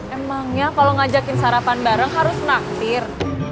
emangnya kalau ngajakin sarapan bareng harus naktir